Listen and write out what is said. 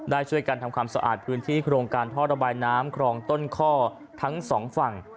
ได้ช่วยกันทำความสะอาดพื้นที่โครงการท่อระบายน้ำครองต้นข้อทั้งสองฝั่ง